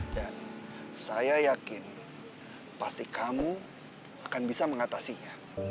dan saya yakin pasti kamu akan bisa mengatasinya